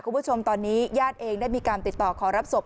คุณผู้ชมตอนนี้ญาติเองได้มีการติดต่อขอรับศพ